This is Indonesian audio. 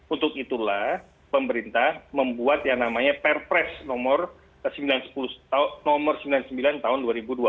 untuk itulah pemerintah membuat yang namanya perpres nomor sembilan puluh sembilan tahun dua ribu dua puluh